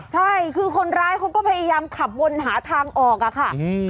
ใช่คือคนร้ายเขาก็พยายามขับวนหาทางออกอะค่ะ